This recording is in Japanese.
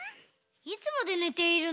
いつまでねているの？